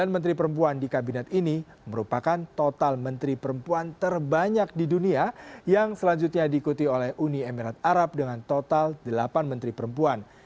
sembilan menteri perempuan di kabinet ini merupakan total menteri perempuan terbanyak di dunia yang selanjutnya diikuti oleh uni emirat arab dengan total delapan menteri perempuan